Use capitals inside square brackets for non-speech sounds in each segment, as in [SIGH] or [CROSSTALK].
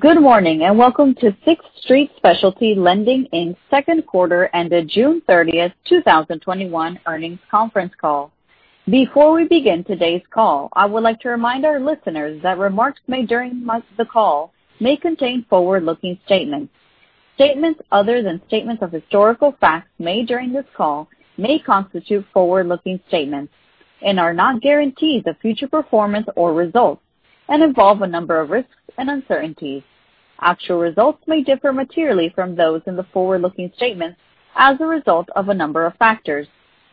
Good morning, and welcome to Sixth Street Specialty Lending Inc.'s second quarter and the June 30th, 2021 earnings conference call. Before we begin today's call, I would like to remind our listeners that remarks made during the call may contain forward-looking statements. Statements other than statements of historical facts made during this call may constitute forward-looking statements and are not guarantees of future performance or results, and involve a number of risks and uncertainties. Actual results may differ materially from those in the forward-looking statements as a result of a number of factors,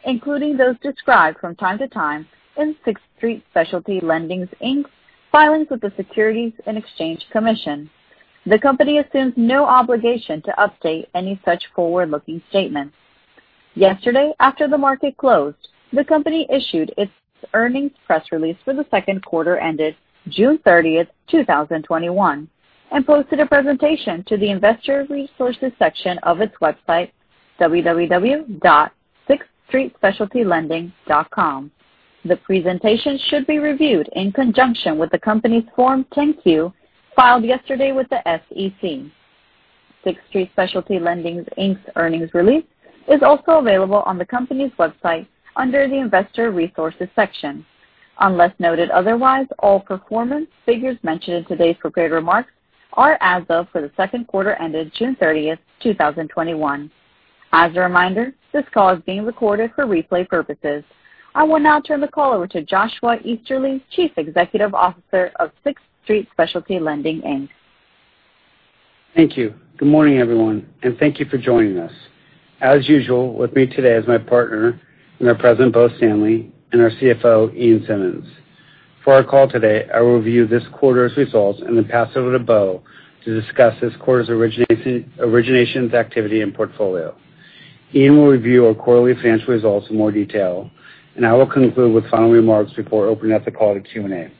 including those described from time to time in Sixth Street Specialty Lending Inc.'s filings with the Securities and Exchange Commission. The company assumes no obligation to update any such forward-looking statements. Yesterday, after the market closed, the company issued its earnings press release for the second quarter ended June 30th, 2021, and posted a presentation to the investor resources section of its website, www.sixthstreetspecialtylending.com. The presentation should be reviewed in conjunction with the company's Form 10-Q, filed yesterday with the SEC. Sixth Street Specialty Lending Inc.'s earnings release is also available on the company's website under the investor resources section. Unless noted otherwise, all performance figures mentioned in today's prepared remarks are as of for the second quarter ended June 30th, 2021. As a reminder, this call is being recorded for replay purposes. I will now turn the call over to Joshua Easterly, Chief Executive Officer of Sixth Street Specialty Lending Inc. Thank you. Good morning, everyone, and thank you for joining us. As usual, with me today is my partner and our President, Bo Stanley, and our CFO, Ian Simmonds. For our call today, I will review this quarter's results and pass it over to Bo to discuss this quarter's originations activity and portfolio. Ian will review our quarterly financial results in more detail. I will conclude with final remarks before opening up the call to Q&A.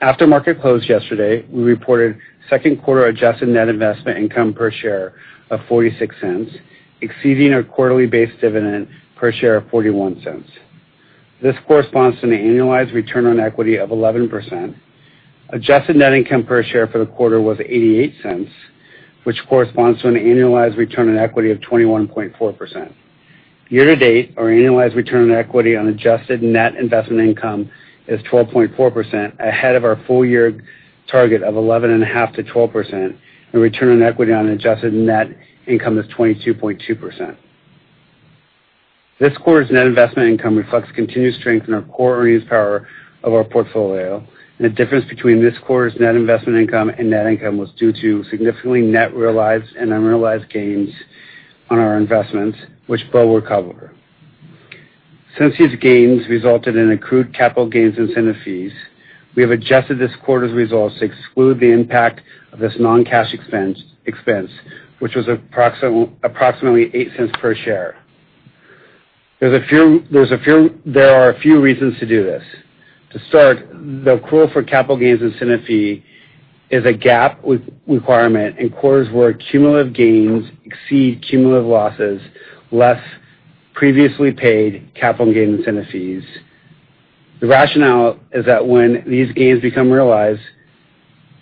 After market close yesterday, we reported second quarter adjusted net investment income per share of $0.46, exceeding our quarterly base dividend per share of $0.41. This corresponds to an annualized return on equity of 11%. Adjusted net income per share for the quarter was $0.88, which corresponds to an annualized return on equity of 21.4%. Year to date, our annualized return on equity on adjusted net investment income is 12.4%, ahead of our full-year target of 11.5%-12%, and return on equity on an adjusted net income of 22.2%. This quarter's net investment income reflects continued strength in our core earnings power of our portfolio. The difference between this quarter's net investment income and net income was due to significantly net realized and unrealized gains on our investments, which Bo will cover. Since these gains resulted in accrued capital gains incentive fees, we have adjusted this quarter's results to exclude the impact of this non-cash expense, which was approximately $0.08 per share. There are a few reasons to do this. To start, the accrual for capital gains incentive fee is a GAAP requirement in quarters where cumulative gains exceed cumulative losses, less previously paid capital gain incentive fees. The rationale is that when these gains become realized,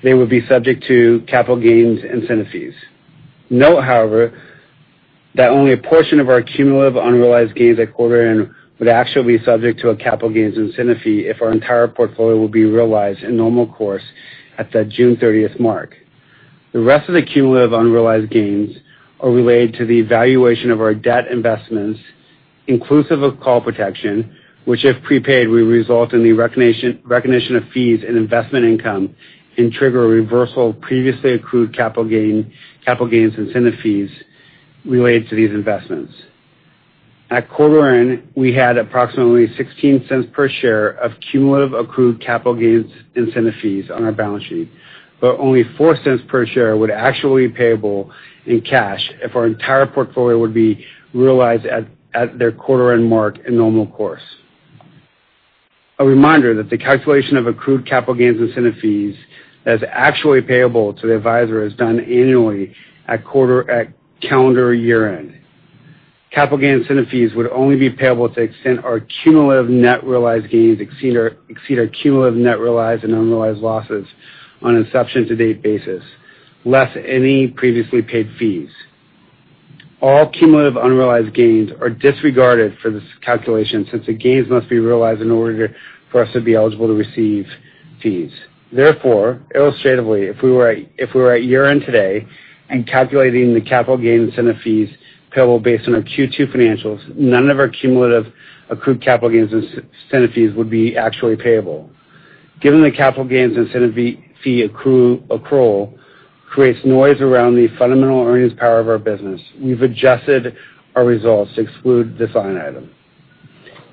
they would be subject to capital gains incentive fees. Note, however, that only a portion of our cumulative unrealized gains at quarter end would actually be subject to a capital gains incentive fee if our entire portfolio would be realized in normal course at that June 30th mark. The rest of the cumulative unrealized gains are related to the valuation of our debt investments, inclusive of call protection, which if prepaid, will result in the recognition of fees and investment income and trigger a reversal of previously accrued capital gains incentive fees related to these investments. At quarter end, we had approximately $0.16 per share of cumulative accrued capital gains incentive fees on our balance sheet. Only $0.04 per share would actually be payable in cash if our entire portfolio would be realized at their quarter end mark in normal course. A reminder that the calculation of accrued capital gains incentive fees that is actually payable to the advisor is done annually at calendar year end. Capital gain incentive fees would only be payable to the extent our cumulative net realized gains exceed our cumulative net realized and unrealized losses on inception to date basis, less any previously paid fees. All cumulative unrealized gains are disregarded for this calculation since the gains must be realized in order for us to be eligible to receive fees. Therefore, illustratively, if we were at year end today and calculating the capital gain incentive fees payable based on our Q2 financials, none of our cumulative accrued capital gains incentive fees would be actually payable. Given the capital gains incentive fee accrual creates noise around the fundamental earnings power of our business, we've adjusted our results to exclude this line item.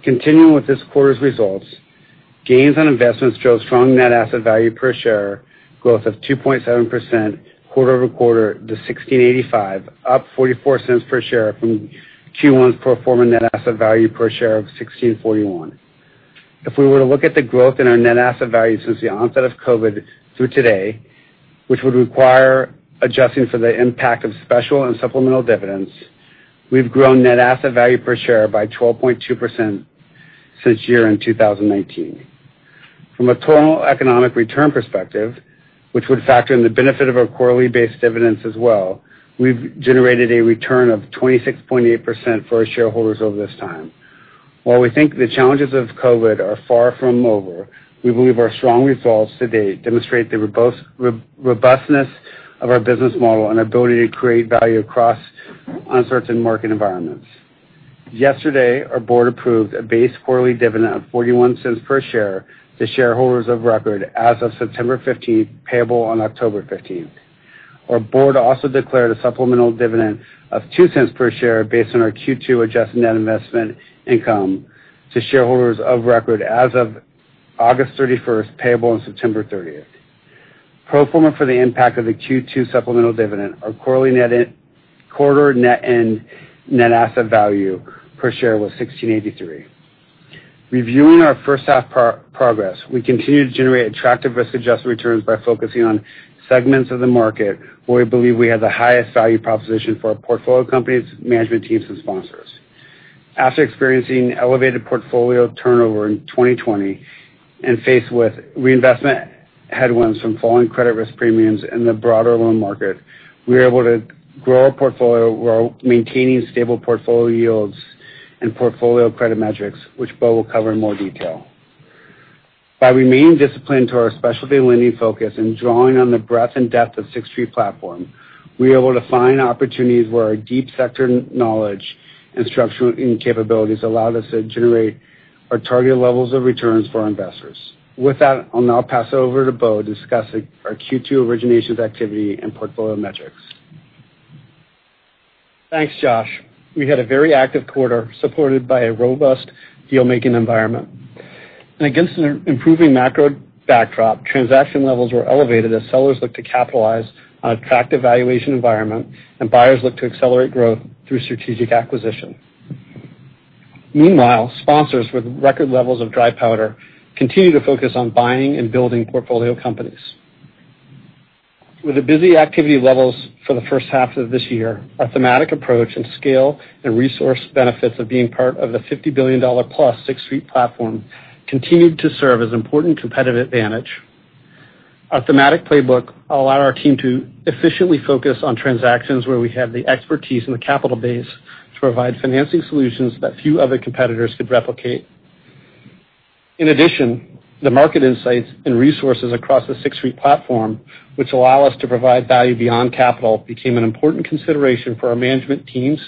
Continuing with this quarter's results, gains on investments drove strong net asset value per share growth of 2.7% quarter-over-quarter to 16.85, up $0.44 per share from Q1's pro forma net asset value per share of 16.41. If we were to look at the growth in our net asset value since the onset of COVID through today, which would require adjusting for the impact of special and supplemental dividends, we've grown net asset value per share by 12.2% since year-end 2019. From a total economic return perspective, which would factor in the benefit of our quarterly based dividends as well, we've generated a return of 26.8% for our shareholders over this time. While we think the challenges of COVID are far from over, we believe our strong results to date demonstrate the robustness of our business model and ability to create value across uncertain market environments. Yesterday, our board approved a base quarterly dividend of $0.41 per share to shareholders of record as of September 15th, payable on October 15th. Our board also declared a supplemental dividend of $0.02 per share based on our Q2 Adjusted Net Investment Income to shareholders of record as of August 31st, payable on September 30th. Pro forma for the impact of the Q2 supplemental dividend, our quarter net asset value per share was $16.83. Reviewing our first half progress, we continue to generate attractive risk-adjusted returns by focusing on segments of the market where we believe we have the highest value proposition for our portfolio companies, management teams, and sponsors. After experiencing elevated portfolio turnover in 2020 and faced with reinvestment headwinds from falling credit risk premiums in the broader loan market, we were able to grow our portfolio while maintaining stable portfolio yields and portfolio credit metrics, which Bo will cover in more detail. By remaining disciplined to our specialty lending focus and drawing on the breadth and depth of Sixth Street platform, we are able to find opportunities where our deep sector knowledge and structuring capabilities allow us to generate our target levels of returns for our investors. With that, I'll now pass it over to Bo Stanley to discuss our Q2 originations activity and portfolio metrics. Thanks, Josh. We had a very active quarter supported by a robust deal-making environment. Against an improving macro backdrop, transaction levels were elevated as sellers looked to capitalize on attractive valuation environment, and buyers looked to accelerate growth through strategic acquisition. Meanwhile, sponsors with record levels of dry powder continue to focus on buying and building portfolio companies. With the busy activity levels for the first half of this year, our thematic approach and scale and resource benefits of being part of the $50+ billion Sixth Street platform continued to serve as important competitive advantage. Our thematic playbook allow our team to efficiently focus on transactions where we have the expertise and the capital base to provide financing solutions that few other competitors could replicate. In addition, the market insights and resources across the Sixth Street platform, which allow us to provide value beyond capital, became an important consideration for our management teams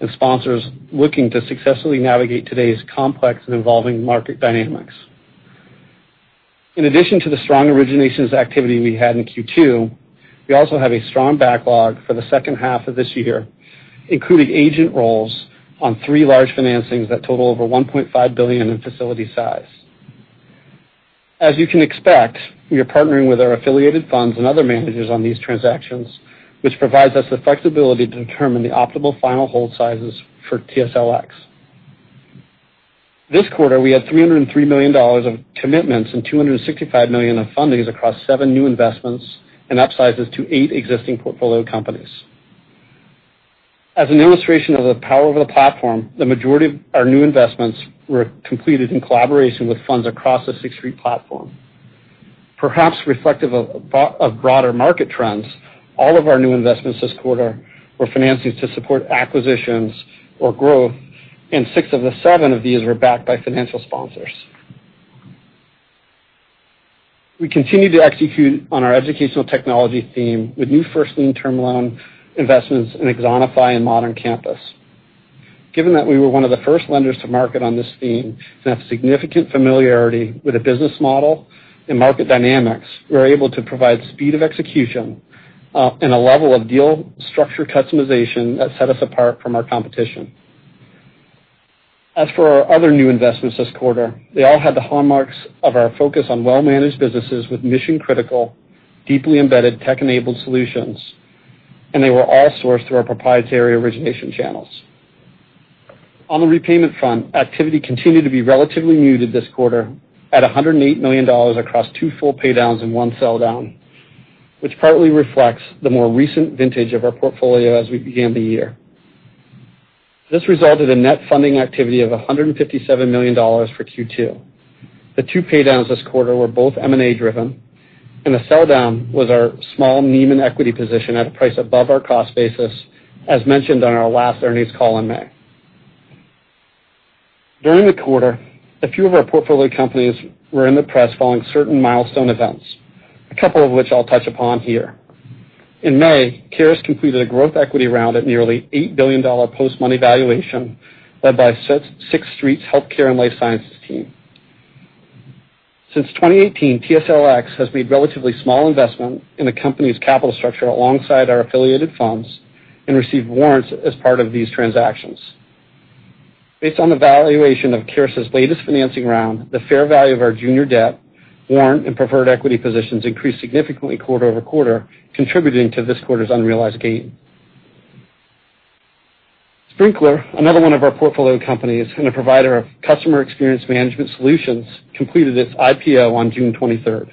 and sponsors looking to successfully navigate today's complex and evolving market dynamics. In addition to the strong originations activity we had in Q2, we also have a strong backlog for the second half of this year, including agent roles on three large financings that total over $1.5 billion in facility size. As you can expect, we are partnering with our affiliated funds and other managers on these transactions, which provides us the flexibility to determine the optimal final hold sizes for TSLX. This quarter, we had $303 million of commitments and $265 million of fundings across seven new investments, and upsizes to eight existing portfolio companies. As an illustration of the power of the platform, the majority of our new investments were completed in collaboration with funds across the Sixth Street platform. Perhaps reflective of broader market trends, all of our new investments this quarter were financings to support acquisitions or growth, and six of the seven of these were backed by financial sponsors. We continue to execute on our educational technology theme with new first-lien term loan investments in Axonify and Modern Campus. Given that we were one of the first lenders to market on this theme and have significant familiarity with the business model and market dynamics, we're able to provide speed of execution, and a level of deal structure customization that set us apart from our competition. As for our other new investments this quarter, they all had the hallmarks of our focus on well-managed businesses with mission-critical, deeply embedded tech-enabled solutions, and they were all sourced through our proprietary origination channels. On the repayment front, activity continued to be relatively muted this quarter at $108 million across two full pay downs and one sell down, which partly reflects the more recent vintage of our portfolio as we began the year. This resulted in net funding activity of $157 million for Q2. The two pay downs this quarter were both M&A driven, and the sell down was our small Neiman equity position at a price above our cost basis, as mentioned on our last earnings call in May. During the quarter, a few of our portfolio companies were in the press following certain milestone events, a couple of which I'll touch upon here. In May, Caris completed a growth equity round at nearly $8 billion post-money valuation led by Sixth Street's Healthcare and Life Sciences team. Since 2018, TSLX has made relatively small investment in the company's capital structure alongside our affiliated funds and received warrants as part of these transactions. Based on the valuation of Caris' latest financing round, the fair value of our junior debt, warrant, and preferred equity positions increased significantly quarter-over-quarter, contributing to this quarter's unrealized gain. Sprinklr, another one of our portfolio companies and a provider of customer experience management solutions, completed its IPO on June 23rd.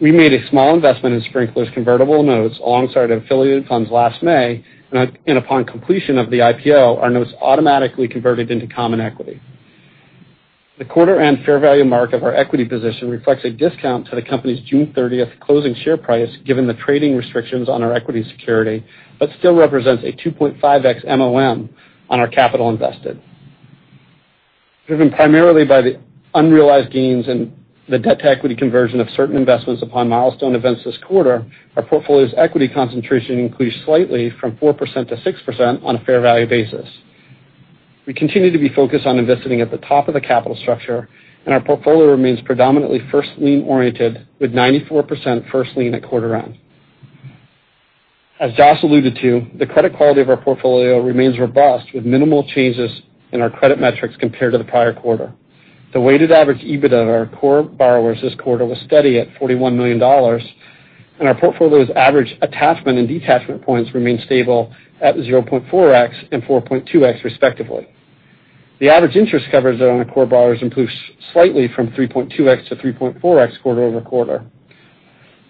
We made a small investment in Sprinklr's convertible notes alongside affiliated funds last May, and upon completion of the IPO, our notes automatically converted into common equity. The quarter-end fair value mark of our equity position reflects a discount to the company's June 30th closing share price, given the trading restrictions on our equity security, but still represents a 2.5x Multiple of Money on our capital invested. Driven primarily by the unrealized gains and the debt to equity conversion of certain investments upon milestone events this quarter, our portfolio's equity concentration increased slightly from 4%-6% on a fair value basis. We continue to be focused on investing at the top of the capital structure, and our portfolio remains predominantly first-lien oriented, with 94% first-lien at quarter end. As Josh alluded to, the credit quality of our portfolio remains robust, with minimal changes in our credit metrics compared to the prior quarter. The weighted average EBITDA of our core borrowers this quarter was steady at $41 million, and our portfolio's average attachment and detachment points remain stable at 0.4x and 4.2x respectively. The average interest coverage on our core borrowers improved slightly from 3.2x-3.4x quarter-over-quarter.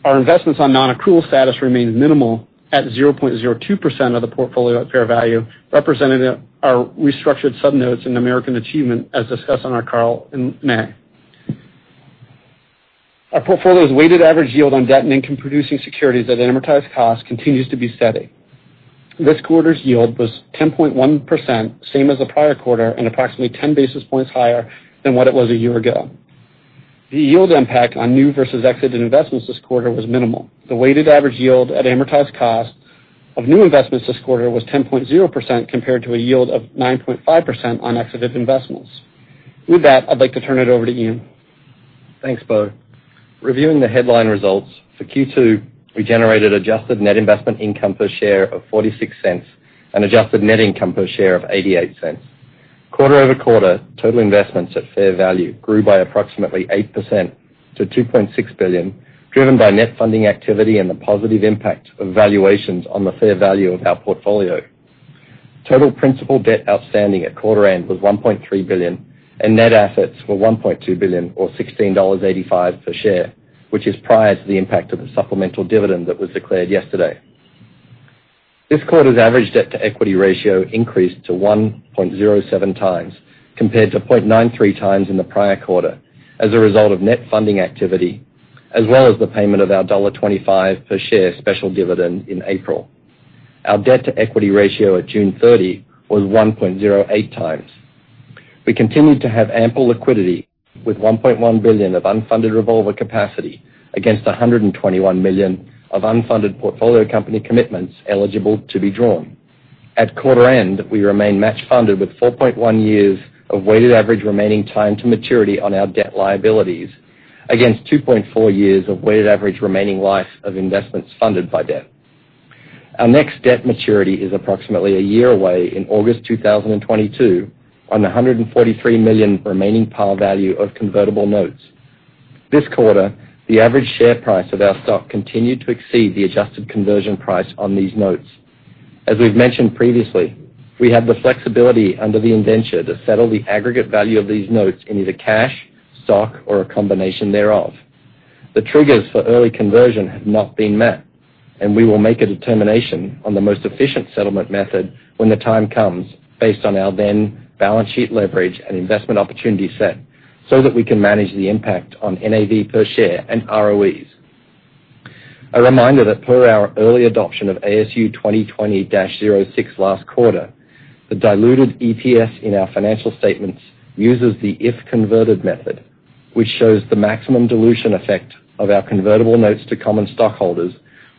Our investments on non-accrual status remain minimal at 0.02% of the portfolio at fair value, representing our restructured sub-notes in American Achievement, as discussed on our call in May. Our portfolio's weighted average yield on debt and income producing securities at amortized cost continues to be steady. This quarter's yield was 10.1%, same as the prior quarter. Approximately 10 basis points higher than what it was a year ago. The yield impact on new versus exited investments this quarter was minimal. The weighted average yield at amortized cost of new investments this quarter was 10.0%, compared to a yield of 9.5% on exited investments. With that, I'd like to turn it over to Ian Simmonds. Thanks, Bo. Reviewing the headline results. For Q2, we generated Adjusted Net Investment Income per share of $0.46 and adjusted net income per share of $0.88. Quarter-over-quarter, total investments at fair value grew by approximately 8% to $2.6 billion, driven by net funding activity and the positive impact of valuations on the fair value of our portfolio. Total principal debt outstanding at quarter end was $1.3 billion, and net assets were $1.2 billion or $16.85 per share, which is prior to the impact of the supplemental dividend that was declared yesterday. This quarter's average debt to equity ratio increased to 1.07x compared to 0.93x in the prior quarter as a result of net funding activity as well as the payment of our $1.25 per share special dividend in April. Our debt to equity ratio at June 30 was 1.08x. We continued to have ample liquidity with $1.1 billion of unfunded revolver capacity against $121 million of unfunded portfolio company commitments eligible to be drawn. At quarter end, we remain match funded with 4.1 years of weighted average remaining time to maturity on our debt liabilities against 2.4 years of weighted average remaining life of investments funded by debt. Our next debt maturity is approximately a year away, in August 2022, on $143 million remaining par value of convertible notes. This quarter, the average share price of our stock continued to exceed the adjusted conversion price on these notes. As we've mentioned previously, we have the flexibility under the indenture to settle the aggregate value of these notes in either cash, stock, or a combination thereof. The triggers for early conversion have not been met, and we will make a determination on the most efficient settlement method when the time comes based on our then balance sheet leverage and investment opportunity set so that we can manage the impact on Net Asset Value per share and Return on Equity. A reminder that per our early adoption of ASU 2020-06 last quarter, the diluted EPS in our financial statements uses the if converted method, which shows the maximum dilution effect of our convertible notes to common stockholders,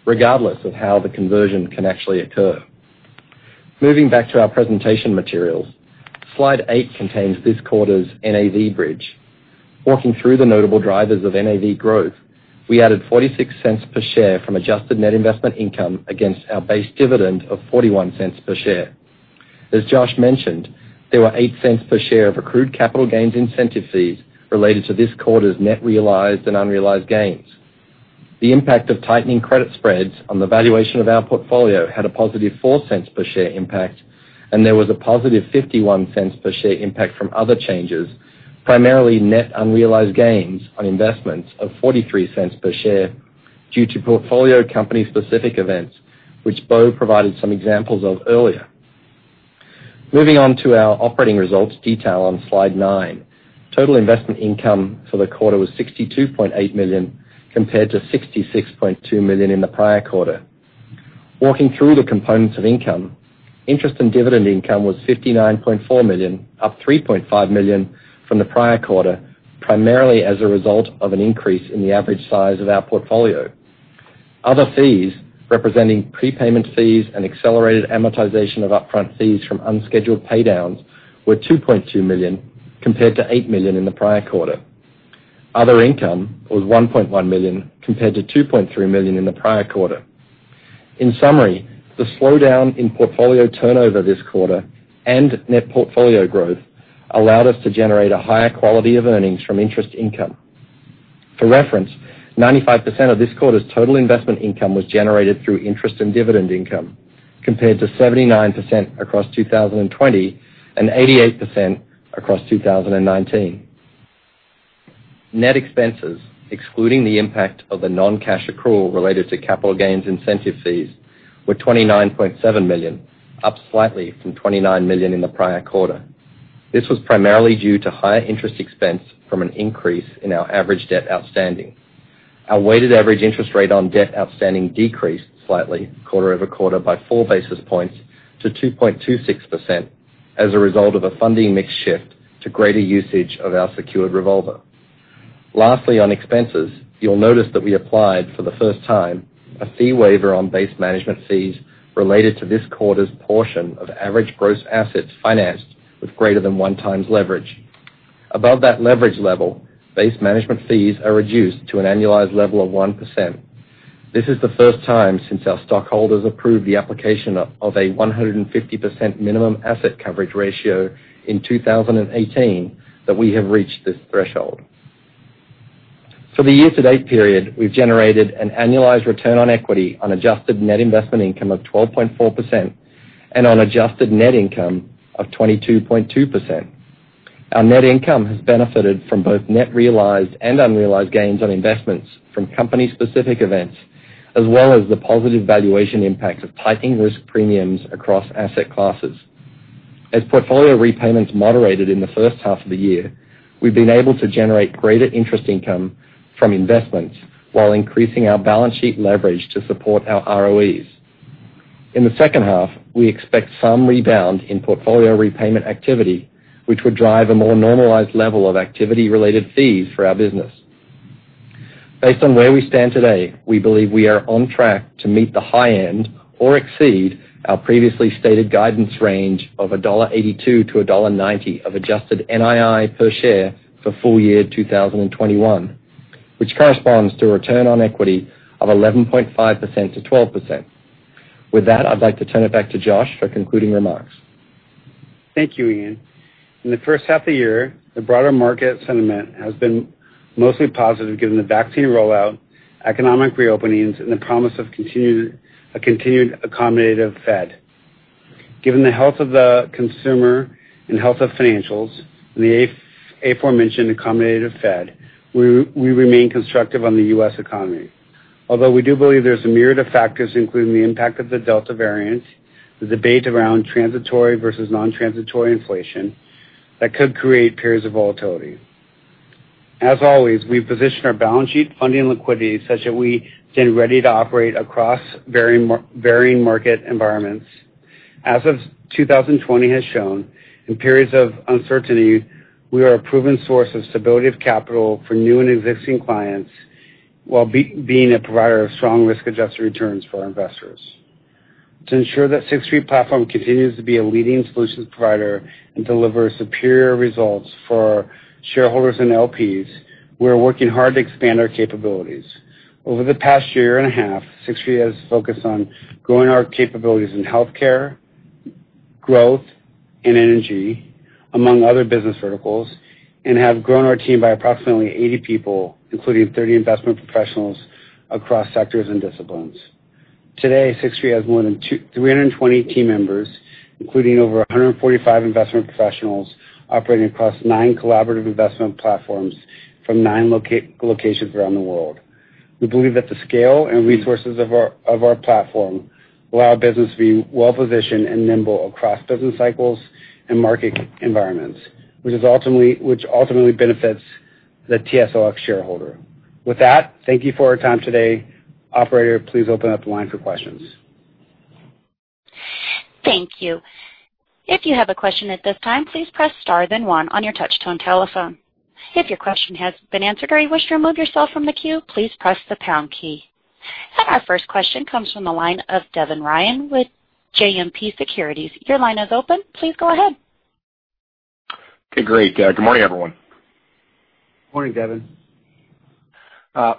regardless of how the conversion can actually occur. Moving back to our presentation materials. Slide eight contains this quarter's NAV bridge. Walking through the notable drivers of NAV growth, we added $0.46 per share from adjusted net investment income against our base dividend of $0.41 per share. As Josh mentioned, there were $0.08 per share of accrued capital gains incentive fees related to this quarter's net realized and unrealized gains. The impact of tightening credit spreads on the valuation of our portfolio had a positive $0.04 per share impact, and there was a positive $0.51 per share impact from other changes, primarily net unrealized gains on investments of $0.43 per share due to portfolio company specific events, which Bo provided some examples of earlier. Moving on to our operating results detail on slide nine. Total investment income for the quarter was $62.8 million, compared to $66.2 million in the prior quarter. Walking through the components of income, interest and dividend income was $59.4 million, up $3.5 million from the prior quarter, primarily as a result of an increase in the average size of our portfolio. Other fees, representing prepayment fees and accelerated amortization of upfront fees from unscheduled paydowns were $2.2 million, compared to $8 million in the prior quarter. Other income was $1.1 million, compared to $2.3 million in the prior quarter. In summary, the slowdown in portfolio turnover this quarter and net portfolio growth allowed us to generate a higher quality of earnings from interest income. For reference, 95% of this quarter's total investment income was generated through interest and dividend income. Compared to 79% across 2020 and 88% across 2019. Net expenses, excluding the impact of a non-cash accrual related to capital gains incentive fees, were $29.7 million, up slightly from $29 million in the prior quarter. This was primarily due to higher interest expense from an increase in our average debt outstanding. Our weighted average interest rate on debt outstanding decreased slightly quarter-over-quarter by 4 basis points to 2.26% as a result of a funding mix shift to greater usage of our secured revolver. Lastly, on expenses, you'll notice that we applied, for the first time, a fee waiver on base management fees related to this quarter's portion of average gross assets financed with greater than 1x leverage. Above that leverage level, base management fees are reduced to an annualized level of 1%. This is the first time since our stockholders approved the application of a 150% minimum asset coverage ratio in 2018 that we have reached this threshold. For the year-to-date period, we've generated an annualized return on equity on Adjusted Net Investment Income of 12.4% and on adjusted net income of 22.2%. Our net income has benefited from both net realized and unrealized gains on investments from company specific events, as well as the positive valuation impact of tightening risk premiums across asset classes. As portfolio repayments moderated in the first half of the year, we've been able to generate greater interest income from investments while increasing our balance sheet leverage to support our ROEs. In the second half, we expect some rebound in portfolio repayment activity, which would drive a more normalized level of activity related fees for our business. Based on where we stand today, we believe we are on track to meet the high end or exceed our previously stated guidance range of $1.82-$1.90 of Adjusted NII per share for full year 2021, which corresponds to a return on equity of 11.5%-12%. With that, I'd like to turn it back to Josh for concluding remarks. Thank you, Ian. In the first half of the year, the broader market sentiment has been mostly positive given the vaccine rollout, economic reopenings, and the promise of a continued accommodative Fed. Given the health of the consumer and health of financials and the aforementioned accommodative Fed, we remain constructive on the U.S. economy. We do believe there's a myriad of factors, including the impact of the Delta variant, the debate around transitory versus non-transitory inflation that could create periods of volatility. As always, we position our balance sheet funding liquidity such that we stand ready to operate across varying market environments. As 2020 has shown, in periods of uncertainty, we are a proven source of stability of capital for new and existing clients, while being a provider of strong risk-adjusted returns for our investors. To ensure that Sixth Street Platform continues to be a leading solutions provider and deliver superior results for shareholders and Limited Partners, we are working hard to expand our capabilities. Over the past 1.5 years, Sixth Street has focused on growing our capabilities in healthcare, growth, and energy, among other business verticals, and have grown our team by approximately 80 people, including 30 investment professionals across sectors and disciplines. Today, Sixth Street has more than 320 team members, including over 145 investment professionals operating across nine collaborative investment platforms from nine locations around the world. We believe that the scale and resources of our platform allow our business to be well-positioned and nimble across business cycles and market environments which ultimately benefits the TSLX shareholder. With that, thank you for your time today. Operator, please open up the line for questions. Thank you. If you have a question at this time, please press star then one on your touchtone telephone. If your question has been answered or you wish to remove yourself from the queue, please press the pound key. Our first question comes from the line of Devin Ryan with JMP Securities. Okay, great. Good morning, everyone. Morning, Devin.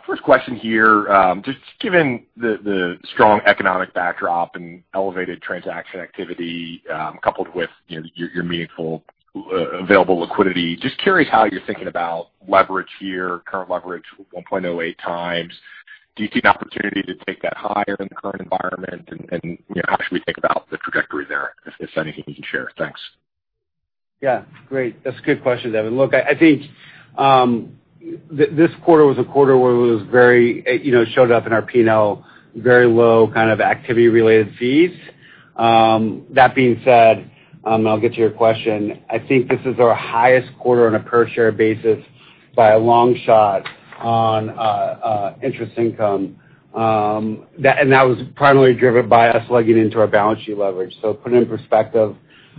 First question here. Just given the strong economic backdrop and elevated transaction activity, coupled with your meaningful available liquidity, just curious how you're thinking about leverage here, current leverage 1.08x. Do you see an opportunity to take that higher in the current environment? How should we think about the trajectory there, if there's anything you can share? Thanks. Yeah. Great. That's a good question, Devin. I think this quarter was a quarter where it showed up in our P&L, very low kind of activity related fees. That being said, I'll get to your question, I think this is our highest quarter on a per share basis by a long shot on interest income. That was primarily driven by us legging into our balance sheet leverage. Put it in perspective,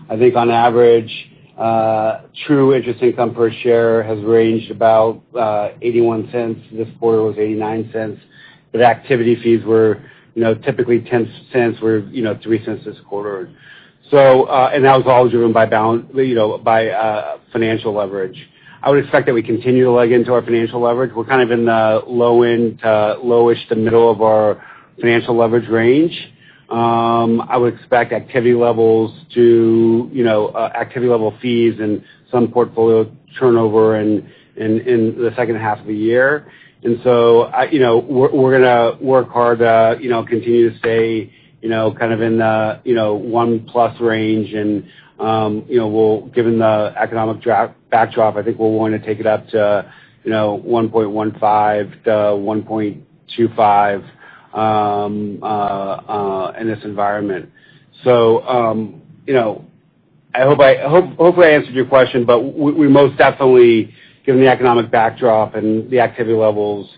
I think on average, true interest income per share has ranged about $0.81. This quarter was $0.89. Activity fees were typically $0.10. We're $0.03 this quarter. That was all driven by financial leverage. I would expect that we continue to leg into our financial leverage. We're kind of in the low end to lowish to middle of our financial leverage range. I would expect activity level fees and some portfolio turnover in the second half of the year. We're going to work hard to continue to stay in the 1+ range, and given the economic backdrop, I think we'll want to take it up to 1.15x-1.25x in this environment. Hopefully I answered your question, but given the economic backdrop and the activity levels,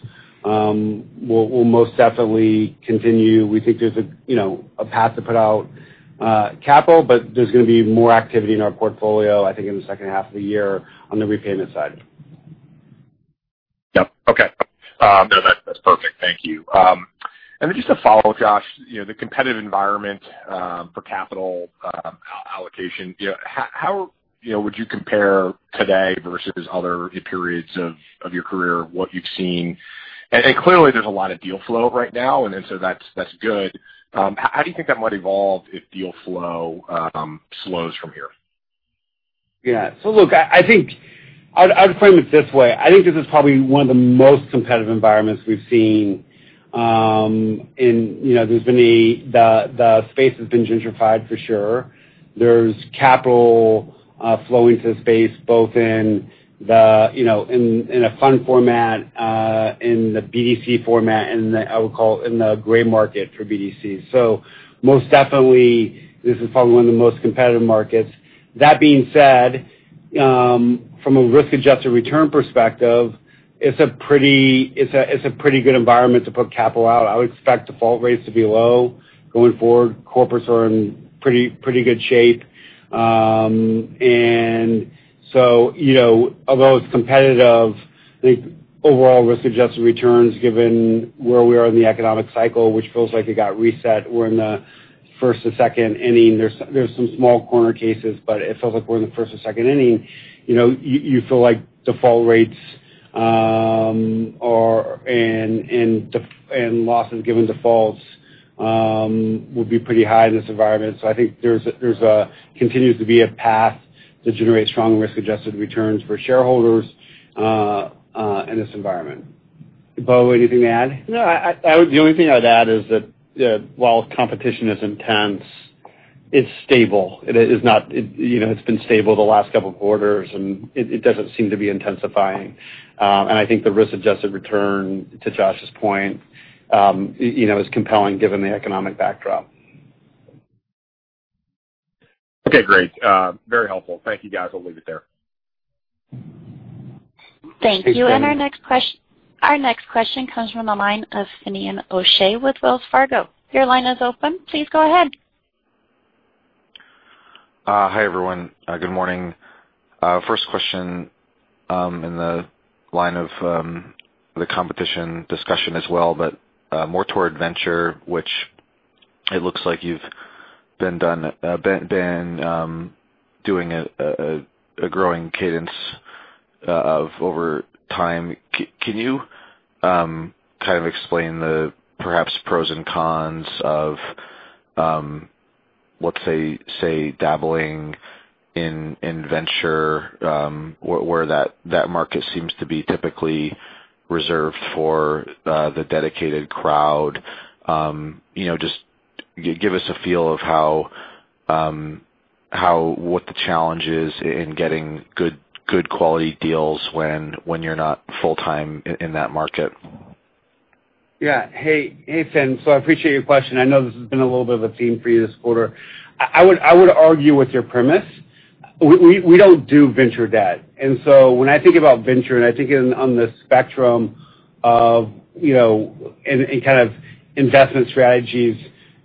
we'll most definitely continue. We think there's a path to put out capital, but there's going to be more activity in our portfolio, I think, in the second half of the year on the repayment side. Yep. Okay. No, that's perfect. Thank you. Then just a follow-up, Josh. The competitive environment for capital allocation, how would you compare today versus other periods of your career, what you've seen? Clearly, there's a lot of deal flow right now, and so that's good. How do you think that might evolve if deal flow slows from here? Yeah. Look, I would frame it this way. I think this is probably one of the most competitive environments we've seen. The space has been gentrified for sure. There's capital flowing to the space, both in a fund format, in the BDC format, and in the gray market for BDCs. Most definitely, this is probably one of the most competitive markets. That being said, from a risk-adjusted return perspective, it's a pretty good environment to put capital out. I would expect default rates to be low going forward. Corporates are in pretty good shape. Although it's competitive, I think overall risk-adjusted returns, given where we are in the economic cycle, which feels like it got reset. We're in the first or second inning. There's some small corner cases, but it feels like we're in the first or second inning. You feel like default rates and losses given defaults will be pretty high in this environment. I think there continues to be a path to generate strong risk-adjusted returns for shareholders in this environment. Bo, anything to add? No. The only thing I'd add is that while competition is intense, it's stable. It's been stable the last two quarters, and it doesn't seem to be intensifying. I think the risk-adjusted return, to Josh's point, is compelling given the economic backdrop. Okay, great. Very helpful. Thank you, guys. I'll leave it there. Thank you. Thanks, Devin. Our next question comes from the line of Finian O'Shea with Wells Fargo. Your line is open. Please go ahead. Hi, everyone. Good morning. First question in the line of the competition discussion as well, more toward venture, which it looks like you've been doing a growing cadence of over time. Can you explain the perhaps pros and cons of, let's say, dabbling in venture where that market seems to be typically reserved for the dedicated crowd? Just give us a feel of what the challenge is in getting good quality deals when you're not full-time in that market. Yeah. Hey, Fin. I appreciate your question. I know this has been a little bit of a theme for you this quarter. I would argue with your premise. We don't do venture debt. When I think about venture and I think on the spectrum of investment strategies,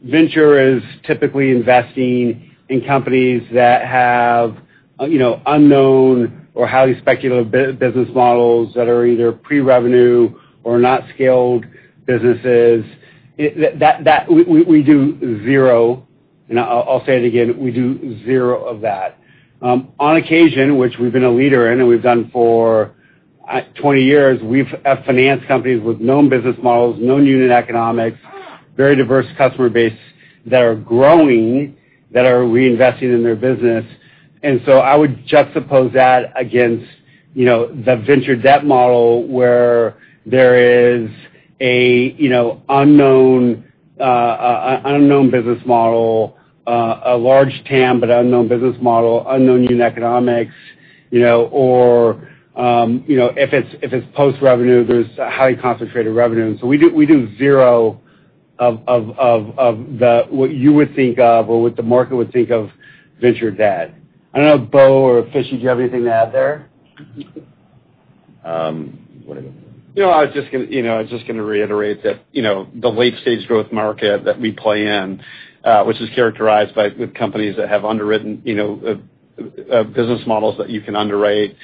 venture is typically investing in companies that have unknown or highly speculative business models that are either pre-revenue or not scaled businesses. We do zero, and I'll say it again, we do zero of that. On occasion, which we've been a leader in and we've done for 20 years, we've financed companies with known business models, known unit economics, very diverse customer base that are growing, that are reinvesting in their business. I would juxtapose that against the venture debt model where there is an unknown business model, a large Total Addressable Market, but unknown business model, unknown unit economics, or if it's post-revenue, there's highly concentrated revenue. We do zero of what you would think of or what the market would think of venture debt. I don't know, Bo or Fishy, do you have anything to add there? I was just going to reiterate that the late-stage growth market that we play in, which is characterized with companies that have business models that you can underwrite,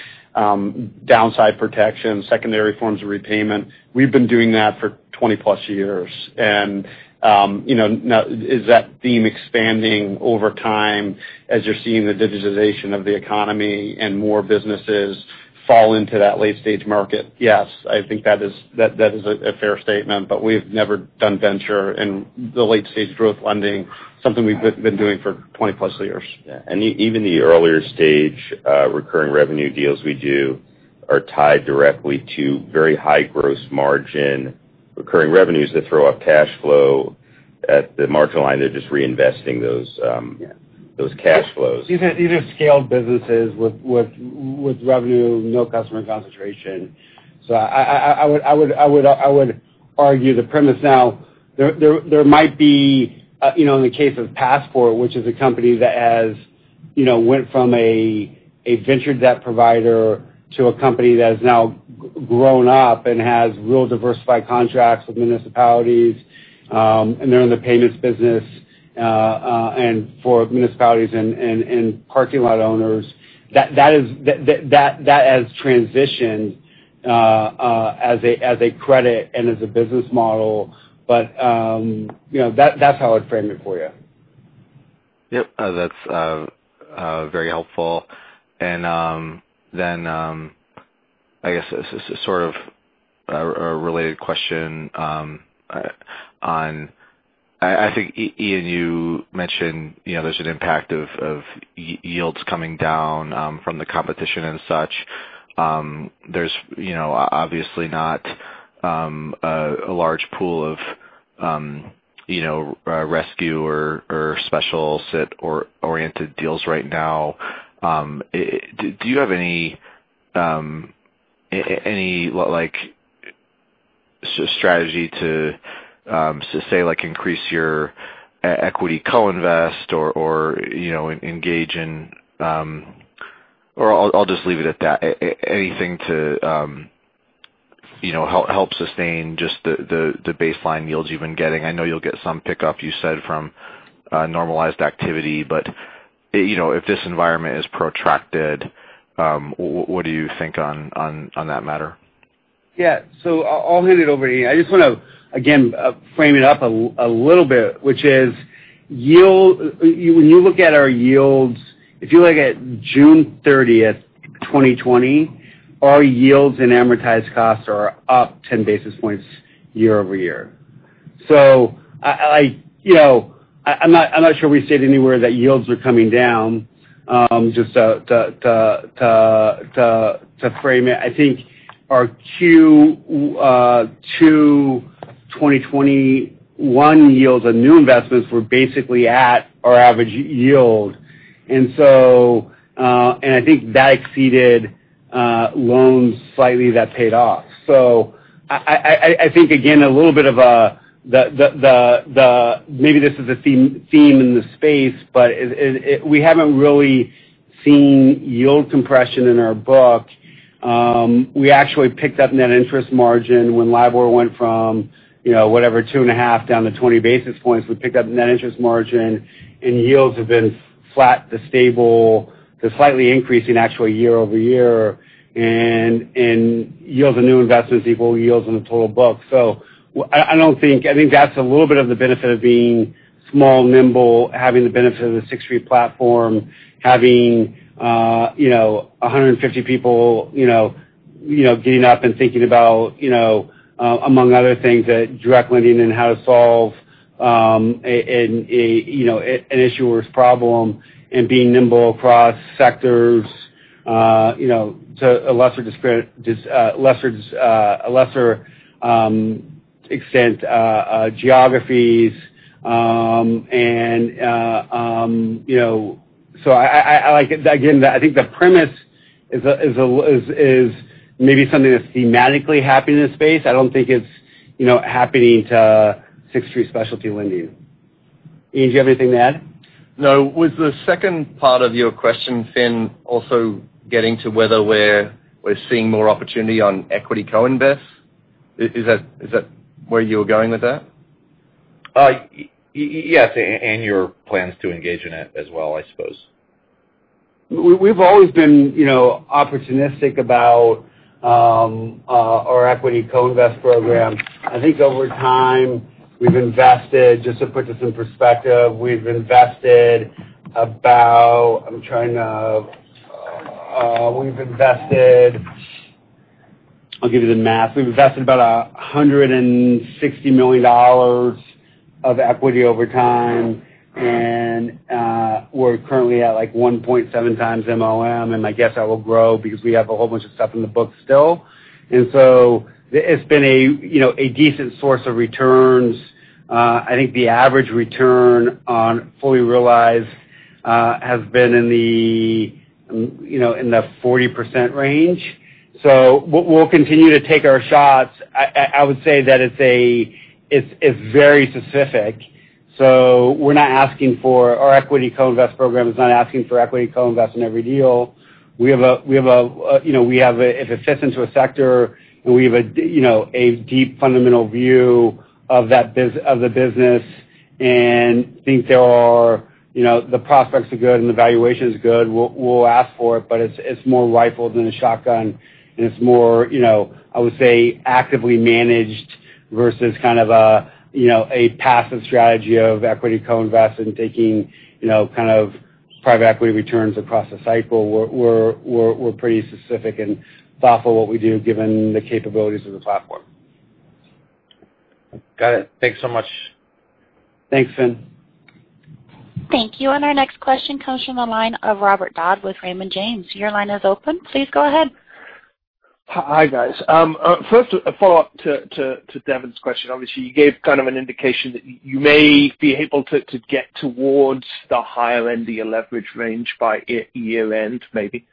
downside protection, secondary forms of repayment. We've been doing that for 20+ years. Is that theme expanding over time as you're seeing the digitization of the economy and more businesses? Fall into that late-stage market. Yes, I think that is a fair statement. We've never done venture and the late-stage growth lending, something we've been doing for 20+ years. Yeah. Even the earlier stage recurring revenue deals we do are tied directly to very high gross margin recurring revenues that throw off cash flow at the margin line of the reinvesting of those cash flows. These are scaled businesses with revenue, no customer concentration. I would argue the premise now. There might be, in the case of Passport, which is a company that has went from a venture debt provider to a company that has now grown up and has real diversified contracts with municipalities, and they're in the payments business, and for municipalities and parking lot owners, that has transitioned as a credit and as a business model. That's how I'd frame it for you. Yep. That's very helpful. Then, I guess this is sort of a related question on I think, Ian, you mentioned there's an impact of yields coming down from the competition and such. There's obviously not a large pool of rescue or specialty oriented deals right now. Do you have any strategy to say, increase your equity co-invest? Anything to help sustain just the baseline yields you've been getting? I know you'll get some pick up, you said, from normalized activity. If this environment is protracted, what do you think on that matter? I'll hand it over to Ian. I just want to, again, frame it up a little bit, which is when you look at our yields, if you look at June 30th, 2020, our yields at amortized costs are up 10 basis points year-over-year. I'm not sure we said anywhere that yields are coming down. Just to frame it, I think our Q2 2021 yields on new investments were basically at our average yield. I think that exceeded loans slightly that paid off. I think, again, a little bit of maybe this is a theme in the space, we haven't really seen yield compression in our book. We actually picked up net interest margin when LIBOR went from whatever, 2.5% down to 20 basis points. We picked up net interest margin. Yields have been flat to stable to slightly increasing actually year-over-year. Yields on new investments equal yields on the total book. I think that's a little bit of the benefit of being small, nimble, having the benefit of the Sixth Street platform, having 150 people getting up and thinking about among other things, that direct lending and how to solve an issuer's problem and being nimble across sectors, to a lesser extent geographies. Again, I think the premise is maybe something that's thematically happening in the space. I don't think it's happening to Sixth Street Specialty Lending. Ian, do you have anything to add? No. Was the second part of your question, Fin, also getting to whether we're seeing more opportunity on equity co-investments? Is that where you're going with that? Yes, your plans to engage in it as well, I suppose. We've always been opportunistic about our equity co-investments program. I think over time, we've invested, just to put this in perspective, we've invested about. I'll give you the math. We've invested about $160 million of equity over time. We're currently at 1.7x MOM. I guess that will grow because we have a whole bunch of stuff in the book still. It's been a decent source of returns. I think the average return on fully realized has been in the 40% range. We'll continue to take our shots. I would say that it's very specific. Our equity co-investments program is not asking for equity co-investments in every deal. If it fits into a sector and we have a deep fundamental view of the business and think the prospects are good and the valuation is good, we'll ask for it. It's more rifle than a shotgun, it's more, I would say, actively managed versus kind of a passive strategy of equity co-investments and taking kind of private equity returns across the cycle. We're pretty specific and thoughtful what we do given the capabilities of the platform. Got it. Thanks so much. Thanks, Fin. Thank you. Our next question comes from the line of Robert Dodd with Raymond James. Your line is open. Please go ahead. Hi, guys. A follow-up to Devin's question. You gave kind of an indication that you may be able to get towards the higher end of your leverage range by year end, maybe.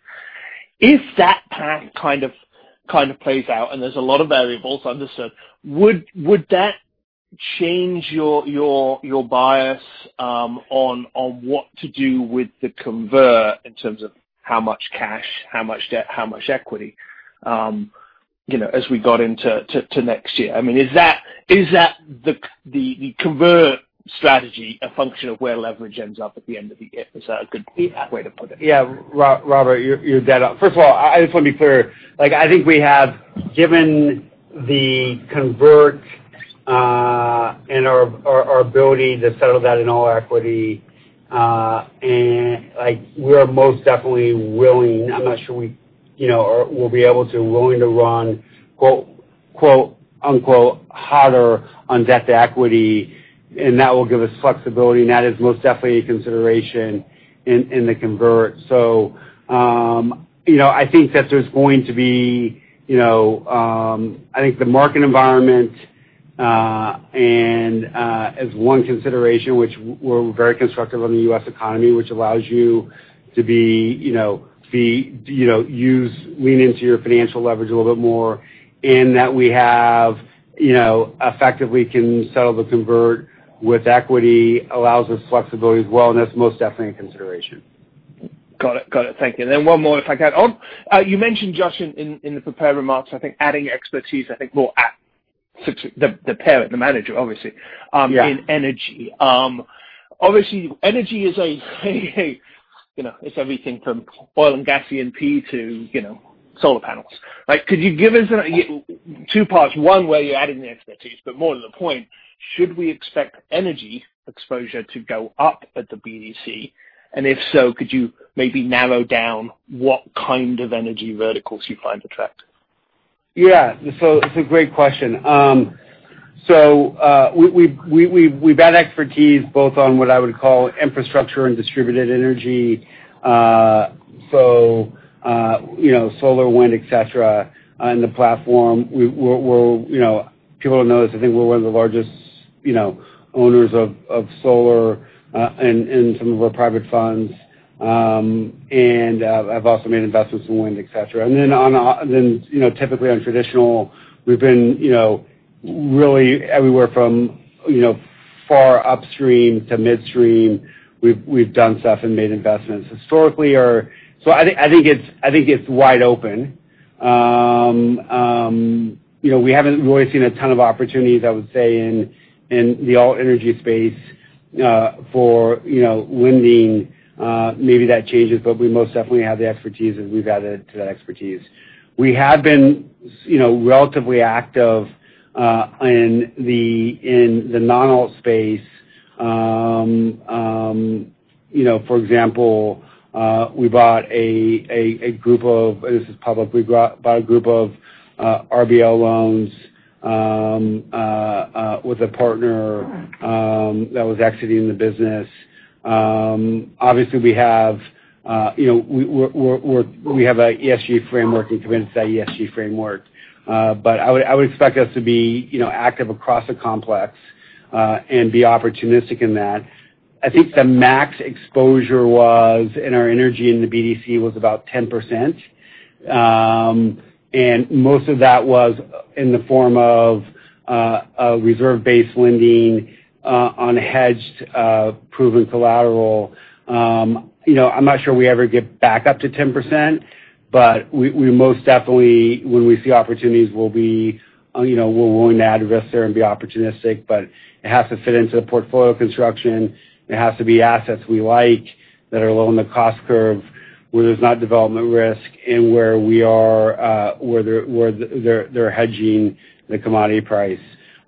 If that path kind of plays out, and there's a lot of variables understood, would that change your bias on what to do with the convert in terms of how much cash, how much debt, how much equity as we got into to next year? I mean, is the convert strategy a function of where leverage ends up at the end of the year? Is that a complete way to put it? Robert, you're dead on. First of all, I just want to be clear. I think we have given the convert and our ability to settle that in all equity, we are most definitely willing. I'm not sure we'll be able to, willing to run quote, unquote, "harder on debt to equity," and that will give us flexibility, and that is most definitely a consideration in the convert. I think that there's going to be the market environment and as one consideration, which we're very constructive on the U.S. economy, which allows you to lean into your financial leverage a little bit more in that we have effectively can settle the convert with equity, allows us flexibility as well, and that's most definitely a consideration. Got it. Thank you. One more if I can. You mentioned, Josh, in the prepared remarks, I think adding expertise, I think more at the parent, the manager, obviously, [CROSSTALK] in energy. Obviously, energy is everything from oil and gas, E&P to solar panels. Could you give us two parts, one, where you're adding the expertise, but more to the point, should we expect energy exposure to go up at the BDC? If so, could you maybe narrow down what kind of energy verticals you find attractive? Yeah. It's a great question. We've had expertise both on what I would call infrastructure and distributed energy. Solar, wind, et cetera, on the platform. People don't know this, I think we're one of the largest owners of solar in some of our private funds. Have also made investments in wind, et cetera. Then, typically on traditional, we've been really everywhere from far upstream to midstream. We've done stuff and made investments historically. I think it's wide open. We haven't really seen a ton of opportunities, I would say, in the alt energy space for lending. Maybe that changes, but we most definitely have the expertise, and we've added to that expertise. We have been relatively active in the non-alt space. For example, we bought a group of, this is public, we bought a group of Reserve-Based Lending loans with a partner that was exiting the business. We have a ESG framework and committed to that ESG framework. I would expect us to be active across the complex, and be opportunistic in that. I think the max exposure was in our energy in the BDC was about 10%. Most of that was in the form of reserve-based lending on hedged proven collateral. I'm not sure we ever get back up to 10%, but we most definitely, when we see opportunities, we're willing to add risk there and be opportunistic. It has to fit into the portfolio construction. It has to be assets we like that are low on the cost curve, where there's not development risk and where they're hedging the commodity price.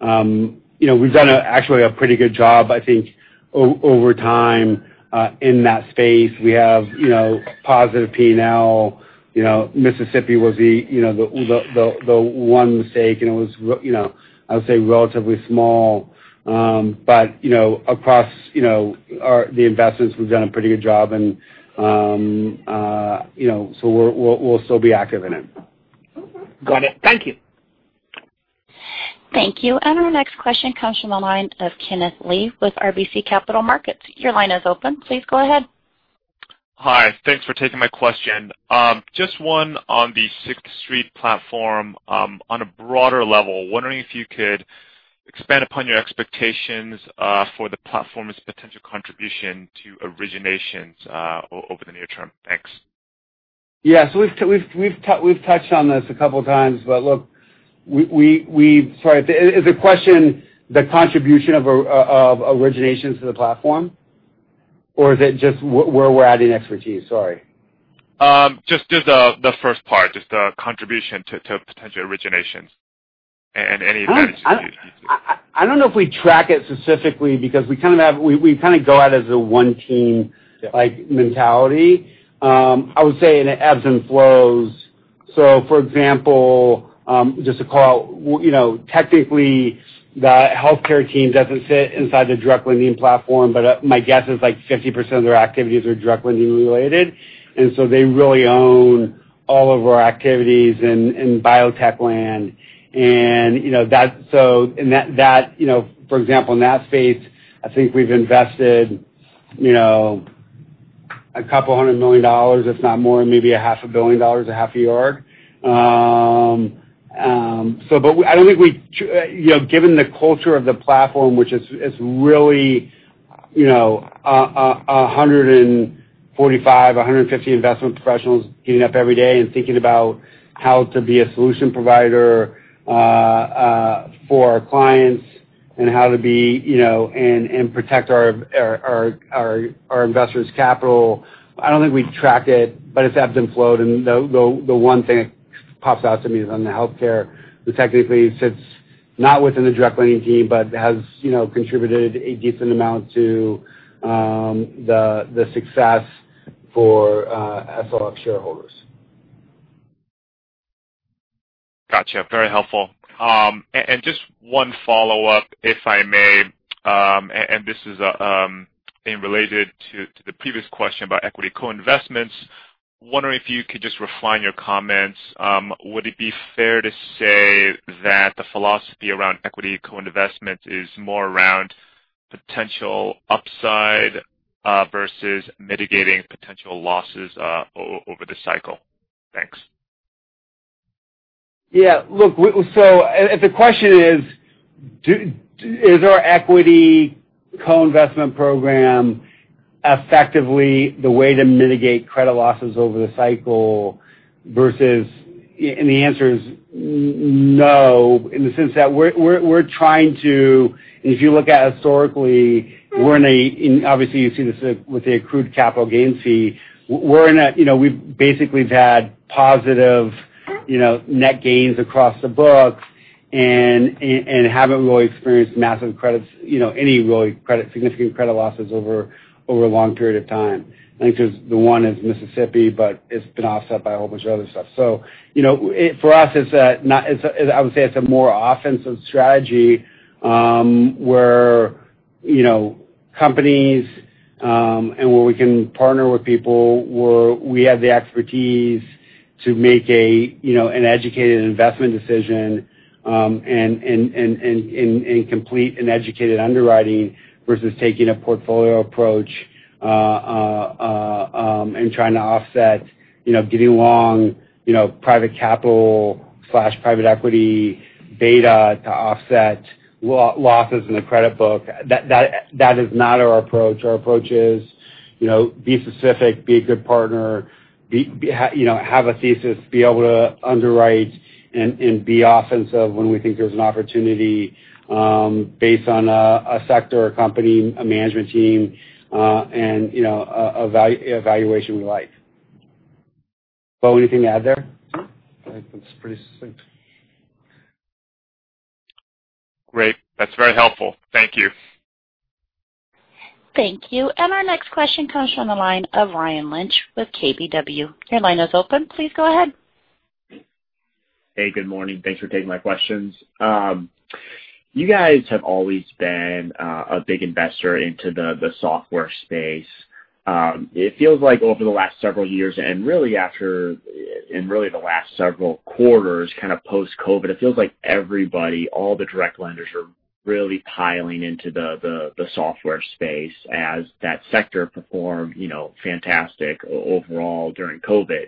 We've done a actually a pretty good job, I think, over time, in that space. We have positive P&L. Mississippi was the one mistake, and it was I would say relatively small. Across the investments, we've done a pretty good job and so we'll still be active in it. Got it. Thank you. Thank you. Our next question comes from the line of Kenneth Lee with RBC Capital Markets. Your line is open. Please go ahead. Hi. Thanks for taking my question. Just one on the Sixth Street platform. On a broader level, wondering if you could expand upon your expectations for the platform's potential contribution to originations over the near term. Thanks. Yeah. We've touched on this a couple of times, but look, sorry. Is the question the contribution of originations to the platform? Is it just where we're adding expertise? Sorry. Just the first part, just the contribution to potential originations and any advantage. I don't know if we track it specifically because we kind of go at it as a one team mentality. I would say it ebbs and flows. For example, just to call, technically the healthcare team doesn't sit inside the direct lending platform, but my guess is like 50% of their activities are direct lending related. They really own all of our activities in biotech land. For example, in that space, I think we've invested a couple hundred million dollars, if not more, maybe a half a billion dollars, a half a yard. Given the culture of the platform, which is really, 145-150 investment professionals getting up every day and thinking about how to be a solution provider for our clients and protect our investors' capital. I don't think we track it, but it's ebbed and flowed, and the one thing that pops out to me is on the healthcare, which technically sits not within the direct lending team, but has contributed a decent amount to the success for Senior Loan Fund shareholders. Got you. Very helpful. Just one follow-up, if I may, and this is in related to the previous question about equity co-investments. Wondering if you could just refine your comments. Would it be fair to say that the philosophy around equity co-investment is more around potential upside, versus mitigating potential losses over the cycle? Thanks. Yeah, look. If the question is our equity co-investment program effectively the way to mitigate credit losses over the cycle versus. The answer is no, in the sense that we're trying to If you look at historically, and obviously you see this with the accrued capital gains fee. We basically have had positive net gains across the books and haven't really experienced massive credits, any really significant credit losses over a long period of time. I think there's the one in Mississippi, but it's been offset by a whole bunch of other stuff. For us, I would say it's a more offensive strategy, where companies, and where we can partner with people, where we have the expertise to make an educated investment decision, and complete an educated underwriting versus taking a portfolio approach, and trying to offset getting long private capital/private equity beta to offset losses in the credit book. That is not our approach. Our approach is be specific, be a good partner, have a thesis, be able to underwrite and be offensive when we think there's an opportunity based on a sector or company, a management team, and a valuation we like. Bo, anything to add there? No. I think that's pretty succinct. Great. That's very helpful. Thank you. Thank you. Our next question comes from the line of Ryan Lynch with KBW. Your line is open. Please go ahead. Good morning. Thanks for taking my questions. You guys have always been a big investor into the software space. It feels like over the last several years and really the last several quarters, kind of post-COVID, it feels like everybody, all the direct lenders, are really piling into the software space as that sector performed fantastic overall during COVID.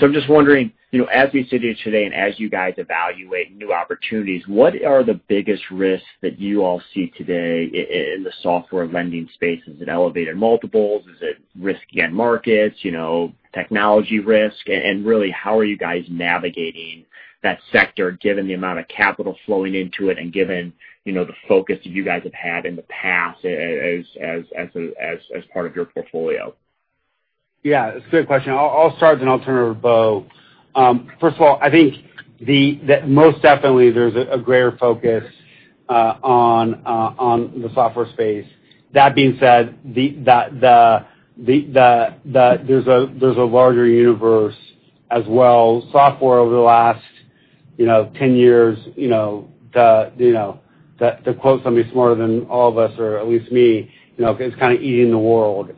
I'm just wondering, as we sit here today and as you guys evaluate new opportunities, what are the biggest risks that you all see today in the software lending space? Is it elevated multiples? Is it riskier markets, technology risk? Really how are you guys navigating that sector, given the amount of capital flowing into it and given the focus you guys have had in the past as part of your portfolio? Yeah. It's a good question. I'll start and I'll turn it over to Bo. First of all, I think that most definitely there's a greater focus on the software space. That being said, there's a larger universe as well. Software over the last 10 years, to quote somebody smarter than all of us, or at least me, it's kind of eating the world.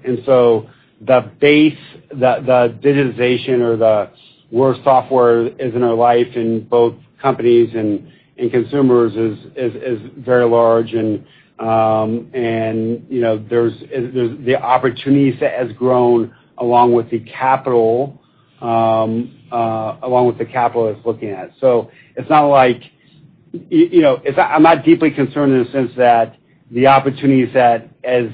The base, the digitization or the where software is in our life in both companies and consumers is very large. The opportunity set has grown along with the capital it's looking at. I'm not deeply concerned in the sense that the opportunity set has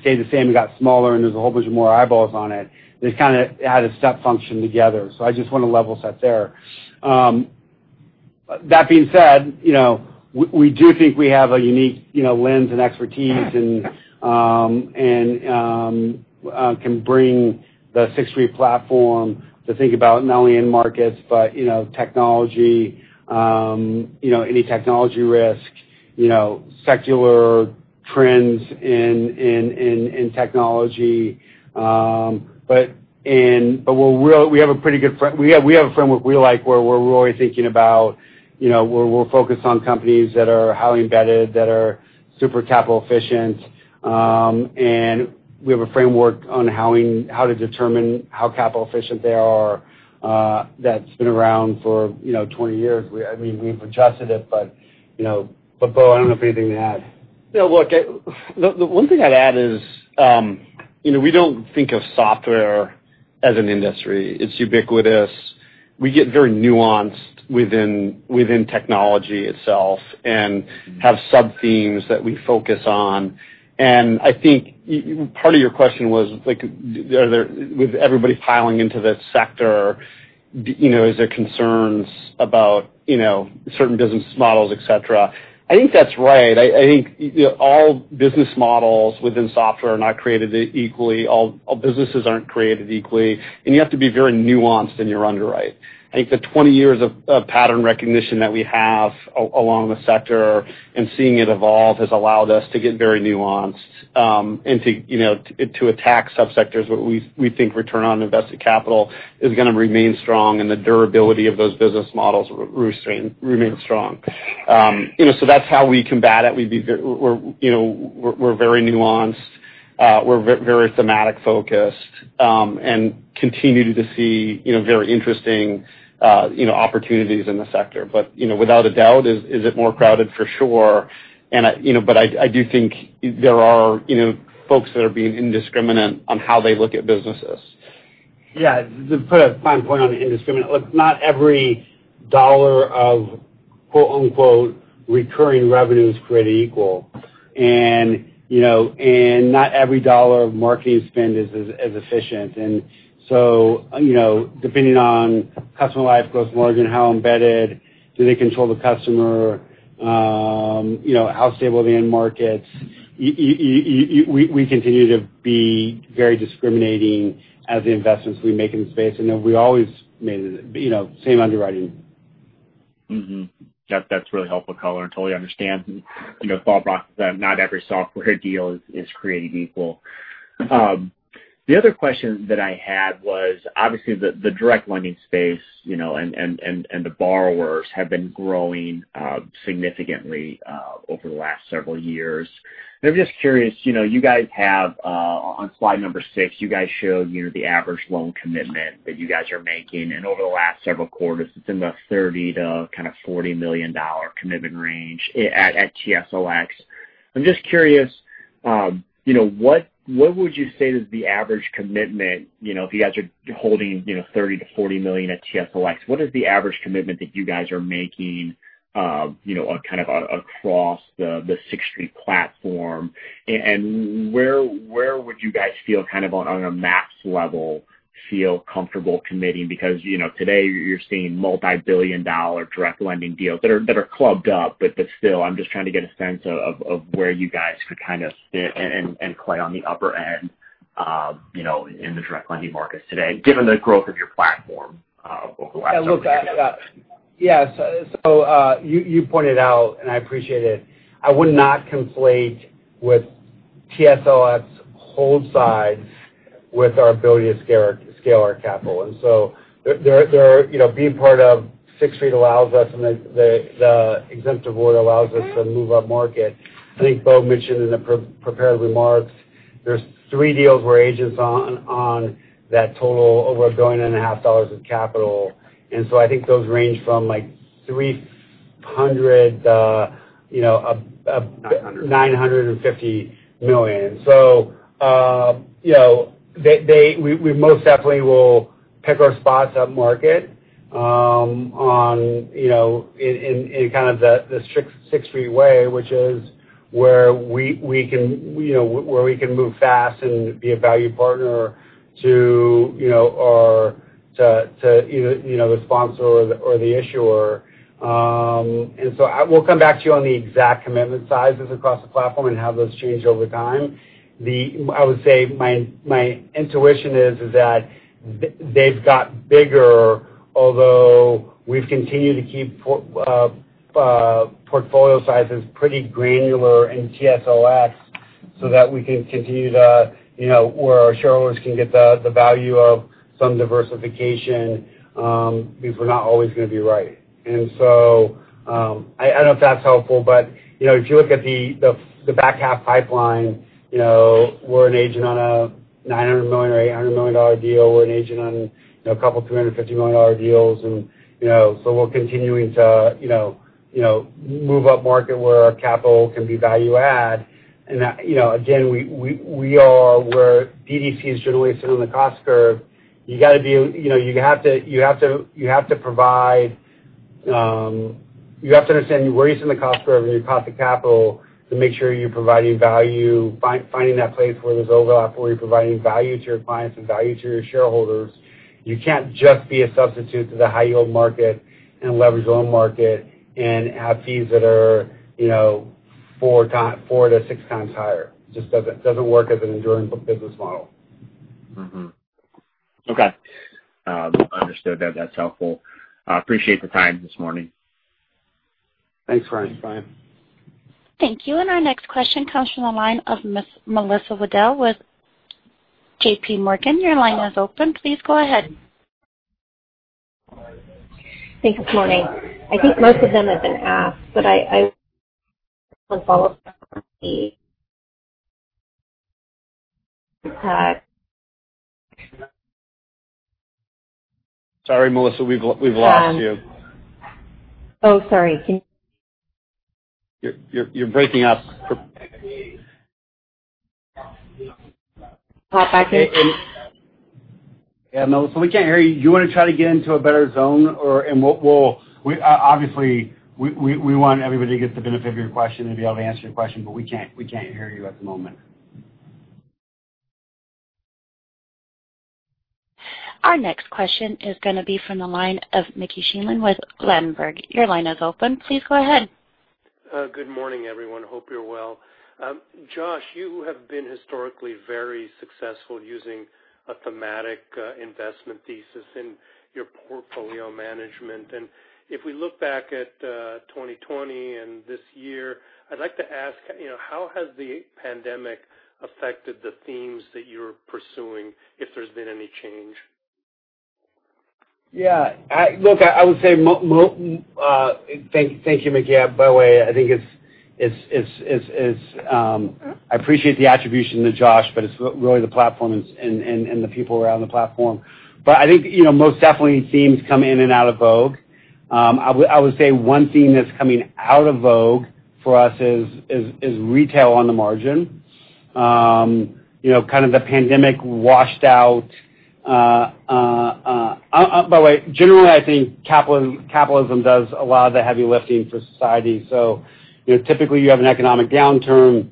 stayed the same and got smaller and there's a whole bunch of more eyeballs on it. They kind of had a step function together. I just want to level set there. That being said, we do think we have a unique lens and expertise and can bring the Sixth Street platform to think about not only end markets, but technology, any technology risk, secular trends in technology. We have a framework we like where we're always thinking about, we're focused on companies that are highly embedded, that are super capital efficient. We have a framework on how to determine how capital efficient they are that's been around for 20 years. We've adjusted it. Bo, I don't know if you have anything to add. Look, the one thing I'd add is we don't think of software as an industry. It's ubiquitous. We get very nuanced within technology itself and have sub-themes that we focus on. I think part of your question was, with everybody piling into this sector, is there concerns about certain business models, et cetera? I think that's right. I think all business models within software are not created equally. All businesses aren't created equally, and you have to be very nuanced in your underwrite. I think the 20 years of pattern recognition that we have along the sector and seeing it evolve has allowed us to get very nuanced and to attack sub-sectors where we think return on invested capital is going to remain strong and the durability of those business models remains strong. That's how we combat it. We're very nuanced. We're very thematic-focused, and continue to see very interesting opportunities in the sector. Without a doubt, is it more crowded? For sure. I do think there are folks that are being indiscriminate on how they look at businesses. Yeah. To put a fine point on the indiscriminate. Look, not every dollar of quote unquote "recurring revenue" is created equal. Not every dollar of marketing spend is as efficient. Depending on customer life, gross margin, how embedded, do they control the customer? How stable are the end markets? We continue to be very discriminating as the investments we make in the space, and then we always made same underwriting. That's really helpful color. Totally understand. Broad brushes, not every software deal is created equal. The other question that I had was, obviously the direct lending space, the borrowers have been growing significantly over the last several years. I'm just curious, on slide number six, you guys show the average loan commitment that you guys are making. Over the last several quarters, it's in the $30 million-$40 million commitment range at TSLX. I'm just curious, what would you say is the average commitment if you guys are holding $30 million-$40 million at TSLX? What is the average commitment that you guys are making across the Sixth Street platform, and where would you guys feel on a max level, feel comfortable committing? Today you're seeing multi-billion dollar direct lending deals that are clubbed up, but still, I'm just trying to get a sense of where you guys could sit and play on the upper end in the direct lending markets today, given the growth of your platform over the last several years. Yeah. You pointed out, and I appreciate it. I would not conflate what TSLX holds side with our ability to scale our capital. Being part of Sixth Street allows us, and the exemptive order allows us to move upmarket. I think Bo mentioned in the prepared remarks, there's three deals where agents on that total over $1.5 billion of capital. I think those range from $300 million [CROSSTALK] -$950 million. We most definitely will pick our spots upmarket in kind of the Sixth Street way, which is where we can move fast and be a value partner to the sponsor or the issuer. We'll come back to you on the exact commitment sizes across the platform and how those changed over time. I would say my intuition is that they've got bigger, although we've continued to keep portfolio sizes pretty granular in TSLX so that we can continue to where our shareholders can get the value of some diversification, because we're not always going to be right. I don't know if that's helpful, but if you look at the back half pipeline, we're an agent on a $900 million or $800 million deal. We're an agent on a couple $350 million deals, and so we're continuing to move upmarket where our capital can be value add. Again, we are where BDCs generally sit on the cost curve. You have to understand you're raising the cost curve and your cost of capital to make sure you're providing value, finding that place where there's overlap, where you're providing value to your clients and value to your shareholders. You can't just be a substitute to the high-yield market and leveraged loan market and have fees that are 4x-6x higher. Just doesn't work as an enduring business model. Okay. Understood, though. That's helpful. Appreciate the time this morning. Thanks, Ryan. Thank you. Our next question comes from the line of Miss Melissa Wedel with JPMorgan. Your line is open. Please go ahead. I think, good morning. I think most of them have been asked, but I [audio ditortion]. Sorry, Melissa, we've lost you. Oh, sorry. You're breaking up. Pop back in. Yeah, Melissa, we can't hear you. Do you want to try to get into a better zone? Obviously, we want everybody to get the benefit of your question and to be able to answer your question, but we can't hear you at the moment. Our next question is going to be from the line of Mickey Schleien with Ladenburg. Your line is open. Please go ahead. Good morning, everyone. Hope you're well. Josh, you have been historically very successful using a thematic investment thesis in your portfolio management. If we look back at 2020 and this year, I'd like to ask, how has the pandemic affected the themes that you're pursuing, if there's been any change? Yeah. Look, I would say Thank you, Mickey. By the way, I appreciate the attribution to Josh, it's really the platform and the people around the platform. I think, most definitely themes come in and out of vogue. I would say one theme that's coming out of vogue for us is retail on the margin. Kind of the pandemic washed out. By the way, generally, I think capitalism does a lot of the heavy lifting for society. Typically, you have an economic downturn.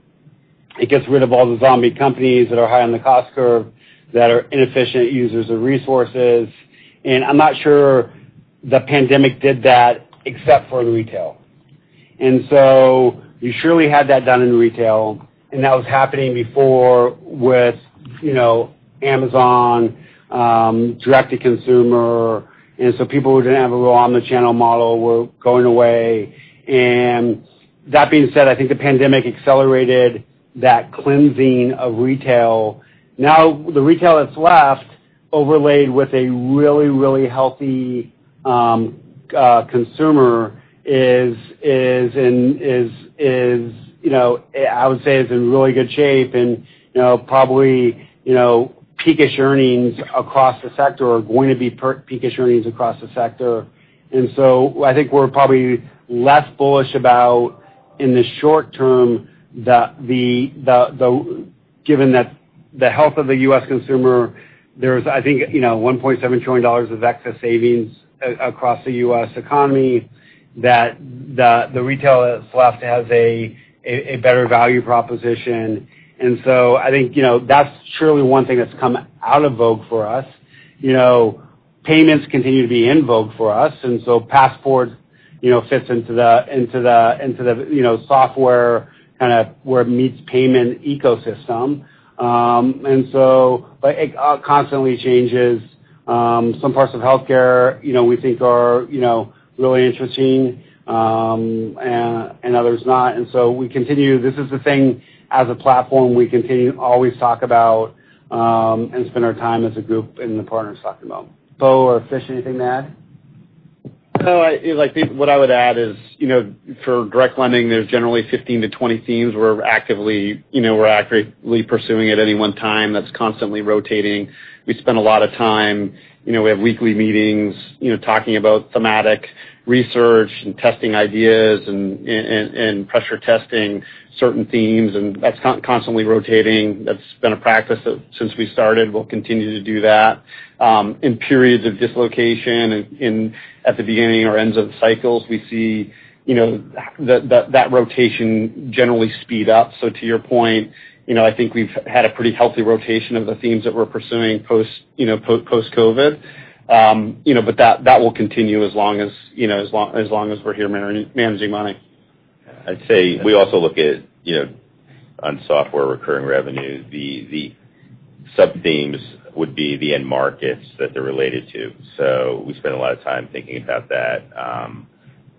It gets rid of all the zombie companies that are high on the cost curve that are inefficient users of resources. I'm not sure the pandemic did that except for the retail. You surely had that done in retail, and that was happening before with Amazon, Direct-to-Consumer. People who didn't have a real omnichannel model were going away. That being said, I think the pandemic accelerated that cleansing of retail. Now, the retail that's left overlaid with a really, really healthy consumer is, I would say, is in really good shape and probably, peak-ish earnings across the sector are going to be peak-ish earnings across the sector. I think we're probably less bullish about, in the short term, given that the health of the U.S. consumer, there's, I think $1.7 trillion of excess savings across the U.S. economy, that the retail that's left has a better value proposition. I think that's surely one thing that's come out of vogue for us. Payments continue to be in vogue for us, and so Passport fits into the software kind of where it meets payment ecosystem. But it constantly changes. Some parts of healthcare, we think are really interesting, and others not. We continue. This is the thing as a platform we continue to always talk about, and spend our time as a group and the partners talking about. Bo or Fish, anything to add? No. What I would add is, for direct lending, there's generally 15-20 themes we're actively pursuing at any one time that's constantly rotating. We spend a lot of time. We have weekly meetings talking about thematic research and testing ideas and pressure testing certain themes, and that's constantly rotating. That's been a practice since we started. We'll continue to do that. In periods of dislocation at the beginning or ends of cycles, we see that rotation generally speed up. To your point, I think we've had a pretty healthy rotation of the themes that we're pursuing post-COVID. That will continue as long as we're here managing money. I'd say we also look at on software recurring revenue. The sub-themes would be the end markets that they're related to. We spend a lot of time thinking about that.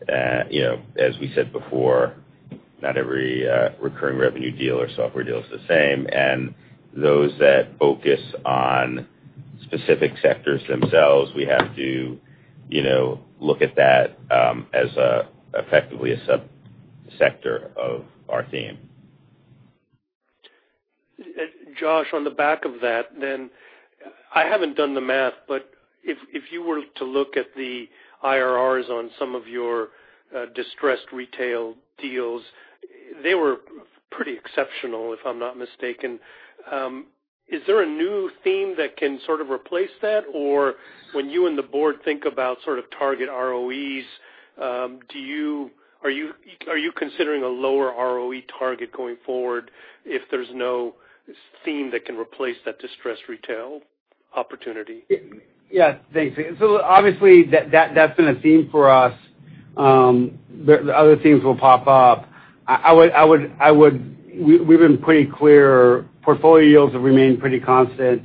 As we said before, not every recurring revenue deal or software deal is the same. Those that focus on specific sectors themselves, we have to look at that as effectively a subsector of our theme. Josh, on the back of that, I haven't done the math, but if you were to look at the Internal Rate of Return on some of your distressed retail deals. They were pretty exceptional if I'm not mistaken. Is there a new theme that can sort of replace that? Or when you and the board think about sort of target ROEs, are you considering a lower ROE target going forward if there's no theme that can replace that distressed retail opportunity? Yeah. Thanks. Obviously that's been a theme for us. The other themes will pop up. We've been pretty clear. Portfolio yields have remained pretty constant.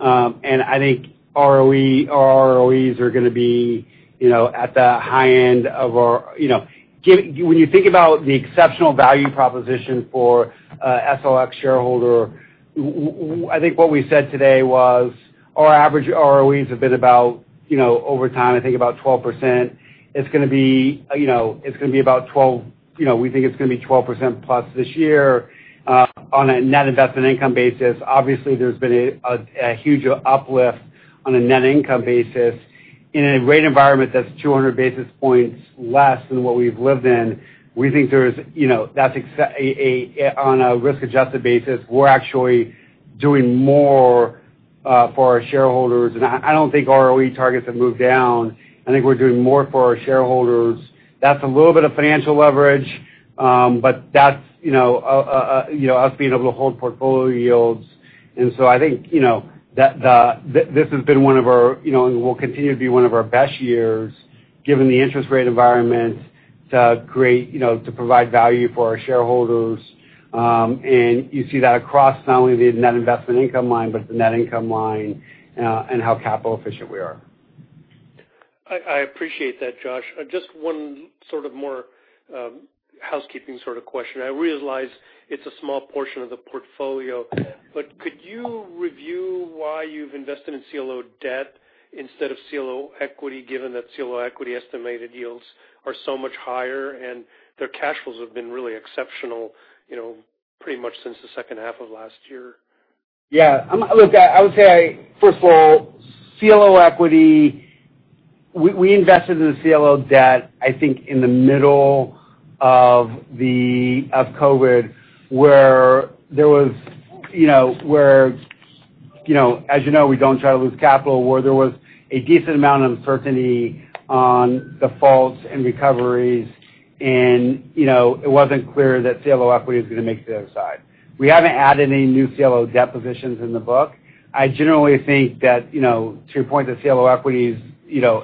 I think our ROEs are going to be at the high end of our, when you think about the exceptional value proposition for TSLX shareholder, I think what we said today was our average ROE has been about, over time, I think about 12%. We think it's going to be 12%+ this year on a net investment income basis. Obviously, there's been a huge uplift on a net income basis in a rate environment that's 200 basis points less than what we've lived in. We think on a risk-adjusted basis, we're actually doing more for our shareholders. I don't think ROE targets have moved down. I think we're doing more for our shareholders. That's a little bit of financial leverage. That's us being able to hold portfolio yields. I think this has been and will continue to be one of our best years, given the interest rate environment to provide value for our shareholders. You see that across not only the net investment income line, but the net income line and how capital efficient we are. I appreciate that, Josh. Just one sort of more housekeeping sort of question. I realize it's a small portion of the portfolio, but could you review why you've invested in Collateralized Loan Obligation debt instead of CLO equity, given that CLO equity estimated yields are so much higher and their cash flows have been really exceptional pretty much since the second half of last year? Look, I would say, first of all, CLO equity, we invested in the CLO debt, I think in the middle of COVID, where as you know, we don't try to lose capital, where there was a decent amount of uncertainty on defaults and recoveries, and it wasn't clear that CLO equity was going to make it to the other side. We haven't added any new CLO debt positions in the book. I generally think that to your point, that CLO equity has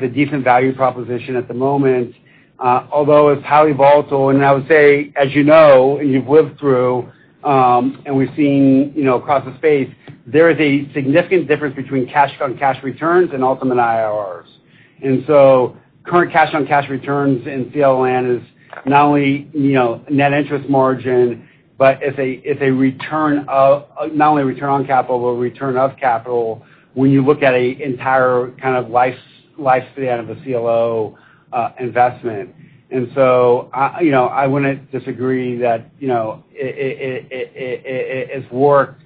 a decent value proposition at the moment although it's highly volatile. I would say, as you know, and you've lived through, and we've seen across the space, there is a significant difference between cash-on-cash returns and ultimate IRRs. Current cash-on-cash returns in CLO land is not only net interest margin, but it's not only a return on capital, but a return of capital when you look at an entire kind of lifespan of a CLO investment. I wouldn't disagree that it's worked.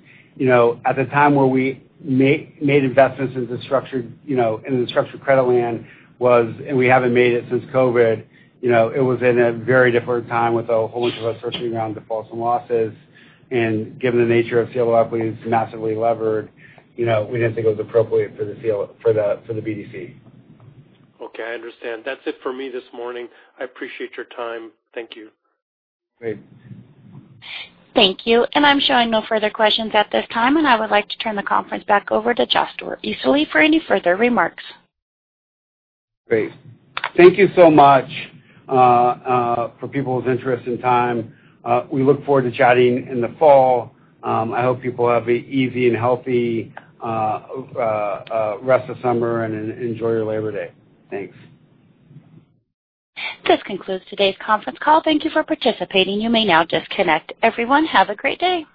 At the time where we made investments into the structured credit land and we haven't made it since COVID, it was in a very different time with a whole bunch of uncertainty around defaults and losses. Given the nature of CLO equity is massively levered, we didn't think it was appropriate for the BDC. Okay, I understand. That's it for me this morning. I appreciate your time. Thank you. Great. Thank you. I'm showing no further questions at this time, I would like to turn the conference back over to Joshua Easterly for any further remarks. Great. Thank you so much for people's interest and time. We look forward to chatting in the fall. I hope people have an easy and healthy rest of summer and enjoy your Labor Day. Thanks. This concludes today's conference call. Thank you for participating. You may now disconnect. Everyone, have a great day.